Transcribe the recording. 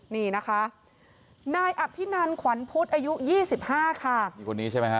นี่นะคะนายอภินันขวัญพุธอายุ๒๕ค่ะ